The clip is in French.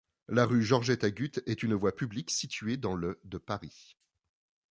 La rue Georgette-Agutte est une voie publique située dans le de Paris.